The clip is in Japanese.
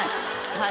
はい。